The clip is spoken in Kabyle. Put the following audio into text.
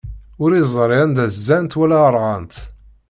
Ur iẓri anda zzant wala ṛɣant.